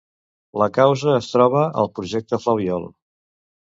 La causa es troba al Projecte Flabiol.